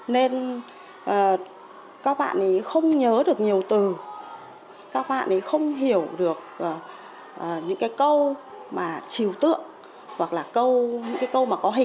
nên các bạn ấy không nhớ được nhiều từ các bạn ấy không hiểu được những cái câu mà chiều tượng hoặc là câu những cái câu mà có hình